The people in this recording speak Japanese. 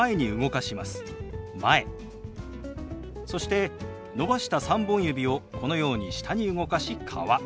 そして伸ばした３本指をこのように下に動かし「川」。